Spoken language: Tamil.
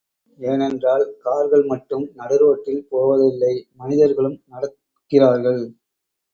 ஏனென்றால் கார்கள் மட்டும் நடு ரோட்டில் போவது இல்லை மனிதர்களும் நடக்கிறார்கள்.